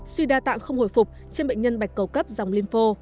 suy đa tạng không hồi phục trên bệnh nhân bạch cầu cấp dòng limpho